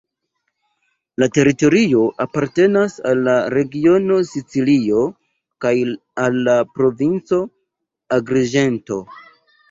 La teritorio apartenas al la regiono Sicilio kaj al la provinco Agriĝento.